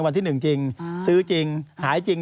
วันที่๑จริงซื้อจริงหายจริง